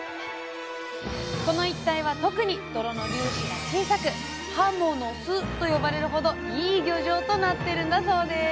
この一帯は特に泥の粒子が小さく「はもの巣」と呼ばれるほどいい漁場となってるんだそうです。